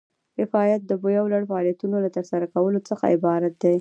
کفایت د یو لړ فعالیتونو له ترسره کولو څخه عبارت دی.